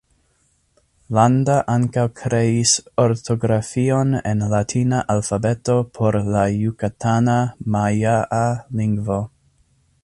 Landa ankaŭ kreis ortografion en latina alfabeto por la jukatana majaa lingvo.